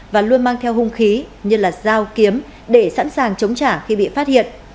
và luôn mang theo hung khí như là dao kiếm để sẵn sàng chống trả khi bị phát hiện